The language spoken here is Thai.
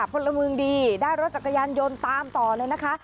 พลเมืองดีได้รถจักรยานยนต์ตามต่อเลยนะคะ